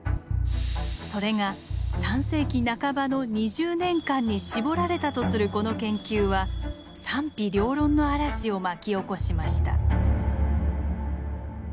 それが３世紀半ばの２０年間に絞られたとするこの研究は賛否両論の嵐を巻き起こしました。